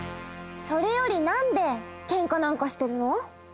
それよりなんでけんかなんかしてるの？